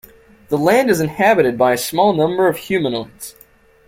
The land is inhabited by a small number of humanoids.